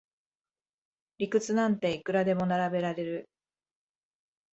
理屈なんていくらでも並べられる